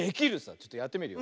ちょっとやってみるよ。